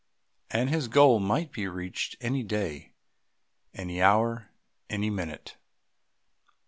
And his goal might be reached any day, any hour, any minute.